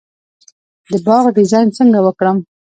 د باغ ډیزاین څنګه وکړم؟